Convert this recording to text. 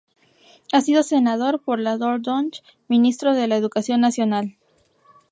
Ha sido senador por la Dordogne, ministro de la Educación Nacional.